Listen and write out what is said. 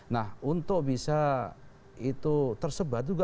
nah untuk bisa itu tersebar juga